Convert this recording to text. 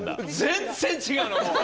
全然違うのもう！